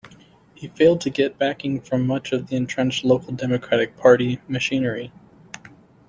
He failed to get backing from much of the entrenched local Democratic Party machinery.